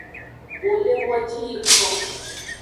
Wo le moji yiko.